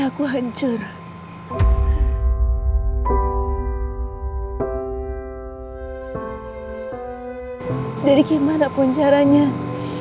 aku bener bener mau mempertahankan